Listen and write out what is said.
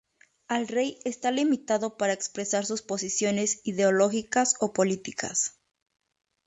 Al rey esta limitado para expresar sus posiciones ideológicas o políticas.